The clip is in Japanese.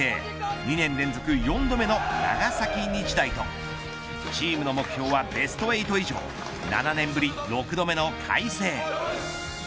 ２年連続４度目の長崎日大とチームの目標はベスト８以上７年ぶり６度目の海星。